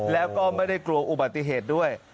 แล้วก็ไม่ได้กลัวอุบัติเหตุด้วย